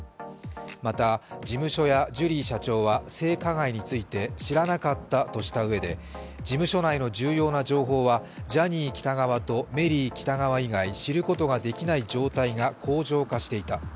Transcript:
また、事務所やジュリー社長は性加害について知らなかったとしたうえで、事務所内の重要な情報はジャニー喜多川とメリー喜多川以外、知ることができない状態が恒常化していた。